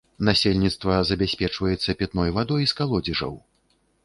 Насельніцтва забяспечваецца пітной вадой з калодзежаў.